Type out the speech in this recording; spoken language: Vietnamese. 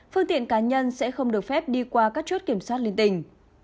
phương tiện cá nhân sẽ không được phép đi qua các chốt kiểm soát liên tình